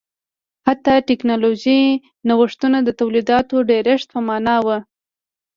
حتی ټکنالوژیکي نوښتونه د تولیداتو ډېرښت په معنا نه و